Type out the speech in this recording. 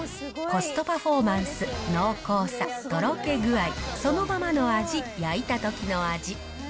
コストパフォーマンス、濃厚さ、とろけ具合、そのままの味、焼いたときの味。